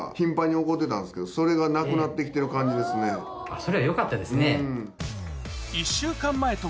それはよかったですね。